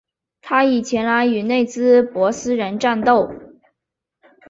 他已前来与内兹珀斯人战斗。